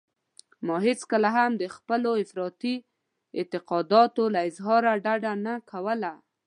ما هېڅکله هم د خپلو افراطي اعتقاداتو له اظهاره ډډه نه کوله.